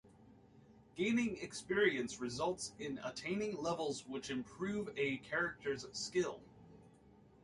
Gaining experience results in attaining levels which improve a character's skill.